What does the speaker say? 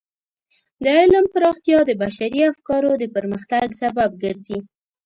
د علم پراختیا د بشري افکارو د پرمختګ سبب ګرځي.